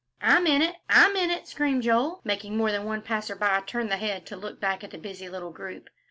"I'm in it, I'm in it," screamed Joel, making more than one passer by turn the head to look back at the busy little group.